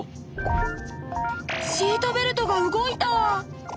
シートベルトが動いた！